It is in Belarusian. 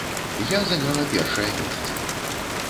Я заняла першае месца.